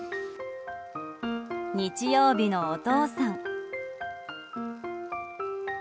日曜日のお父さん。